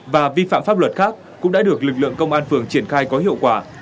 và vi phạm pháp luật khác cũng đã được lực lượng công an phường triển khai có hiệu quả